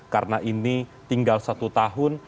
karena ini tinggal satu tahun